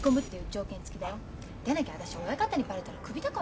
でなきゃ私親方にバレたらクビだからね。